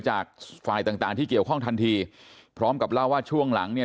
จากฝ่ายต่างต่างที่เกี่ยวข้องทันทีพร้อมกับเล่าว่าช่วงหลังเนี่ย